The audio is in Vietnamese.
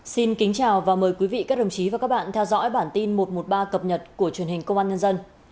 xin kính chào và mời quý vị các đồng chí và các bạn theo dõi bản tin một trăm một mươi ba cập nhật của truyền hình công an nhân dân